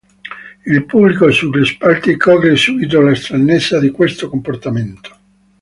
Il pubblico sugli spalti coglie subito la stranezza di questo comportamento.